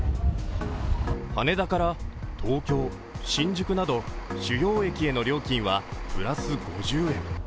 羽田から東京、新宿など主要駅への料金はプラス５０円。